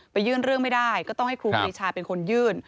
ยื่นเรื่องไม่ได้ก็ต้องให้ครูปรีชาเป็นคนยื่น